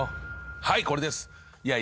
はいこれです！